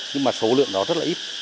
nhưng mà số lượng đó rất là ít